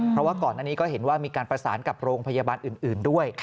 เพราะว่าก่อนอันนี้ก็เห็นว่ามีการประสานกับโรงพยาบาลอื่นด้วย